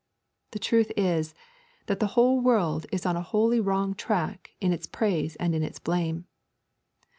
The truth is, that the whole world is on a wholly wrong tack in its praise and in its blame.